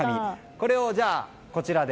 これをこちらへ。